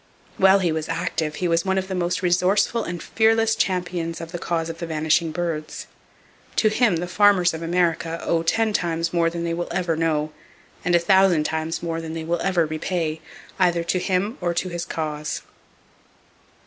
While he was active, he was one of the most resourceful and fearless champions of the cause of the vanishing birds. To him the farmers of America owe ten times more than they ever will know, and a thousand times more than they ever will repay, either to him or to his cause.